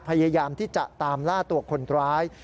พยายามที่จะตามล่าตัวคนร้าย